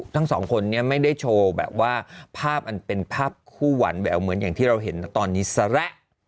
ทั้งสองคนนี้ไม่ได้โชว์แบบว่าภาพอันเป็นภาพคู่หวานแววเหมือนอย่างที่เราเห็นตอนนี้ซะแล้ว